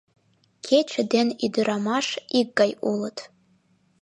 Кече ден ӱдырамаш икгай улыт.